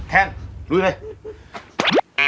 แค่งรุ่นไป